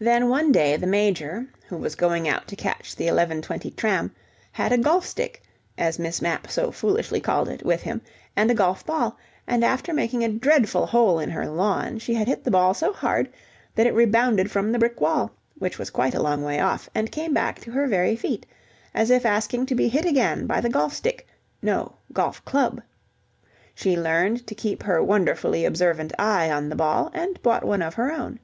Then one day the Major, who was going out to catch the 11.20 tram, had a "golf stick", as Miss Mapp so foolishly called it, with him, and a golf ball, and after making a dreadful hole in her lawn, she had hit the ball so hard that it rebounded from the brick wall, which was quite a long way off, and came back to her very feet, as if asking to be hit again by the golf stick no, golf club. She learned to keep her wonderfully observant eye on the ball and bought one of her own.